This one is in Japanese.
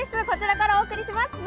こちらからお送りします。